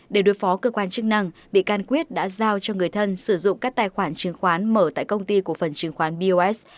để đối phó cơ quan chức năng bị can quyết đã giao cho người thân sử dụng các tài khoản chứng khoán mở tại công ty của phần chứng khoán bos